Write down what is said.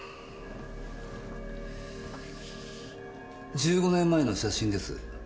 １５年前の写真です。